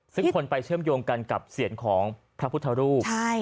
ซึ่งคนไปเชื่อมโยงกันกับเสียงของพระพุทธรูป